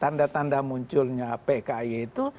tanda tanda munculnya pki itu